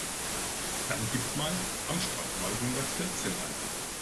Dann gib mal Am Stadtwall hundertvierzehn ein.